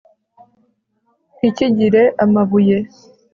ntikigire amabuye